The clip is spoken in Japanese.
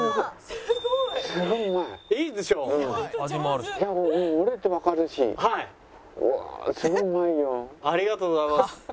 ありがとうございます。